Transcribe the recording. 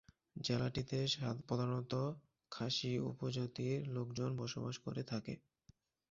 জেলাটিতে প্রধানত খাসি উপজাতির লোকজন বসবাস করে থাকে।